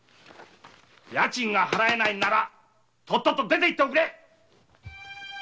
家賃が払えないならとっとと出ていっておくれ！